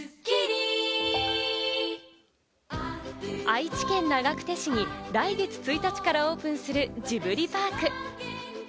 愛知県長久手市に来月１日からオープンするジブリパーク。